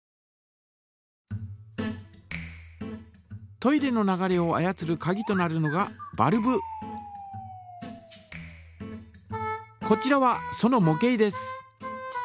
トイレの流れを操るかぎとなるのがこちらはそのも型です。